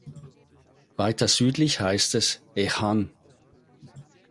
Weiter südlich heißt es „ech han“.